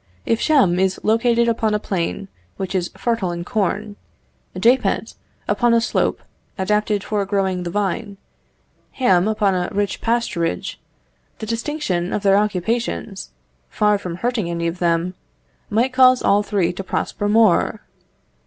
If Shem is located upon a plain which is fertile in corn, Japhet upon a slope adapted for growing the vine, Ham upon a rich pasturage, the distinction of their occupations, far from hurting any of them, might cause all three to prosper more.